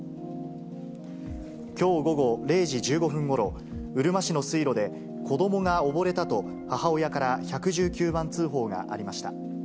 きょう午後０時１５分ごろ、うるま市の水路で、子どもが溺れたと、母親から１１９番通報がありました。